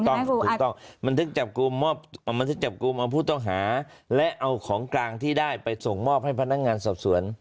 ถูกต้องถูกต้องบันทึกจับกลุ่มบันทึกจับกลุ่มเอาผู้ต้องหาและเอาของกลางที่ได้ไปส่งมอบให้พนักงานสอบสวน